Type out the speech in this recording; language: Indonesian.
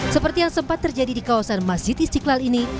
seperti yang sempat terjadi di kawasan masjid istiqlal ini